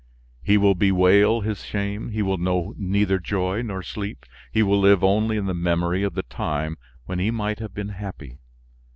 He will bewail his shame, he will know neither joy nor sleep; he will live only in the memory of the time when he might have been happy.